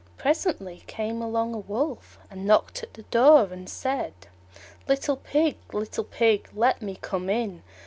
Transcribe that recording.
Presently came along a Wolf, and knocked at the door, and said, "Little Pig, little Pig, let me come in."